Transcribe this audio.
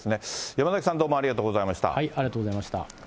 山崎さん、どうもありがとうござありがとうございました。